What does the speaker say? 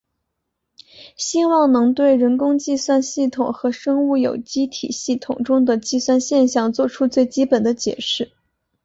希望能对人工计算系统和生物有机体系统中的计算现象做出最基本的解释。